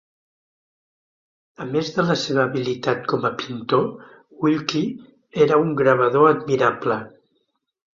A més de la seva habilitat com a pintor, Wilkie era un gravador admirable.